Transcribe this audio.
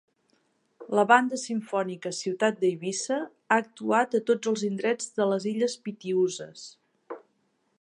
La Banda Simfònica Ciutat d'Eivissa ha actuat a tots els indrets de les Illes Pitiüses.